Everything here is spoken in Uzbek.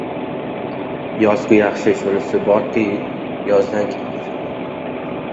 Yoz-ku yaxshi, shunisi borki, yozdan keyin qish keladi-da.